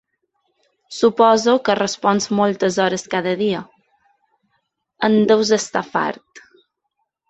Suposo que respons moltes hores cada dia, en deus estar fart.